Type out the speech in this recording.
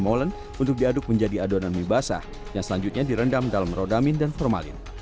molen untuk diaduk menjadi adonan mie basah yang selanjutnya direndam dalam rodamin dan formalin